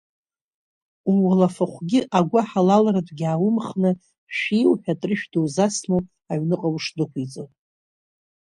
Ууалафахәгьы агәыҳалалратәгьы ааумхны, шәииу ҳәа атрышә дузасны ауп аҩныҟа ушдәықәиҵо.